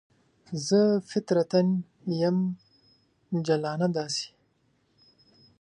زه فطرتاً یم جلانه داسې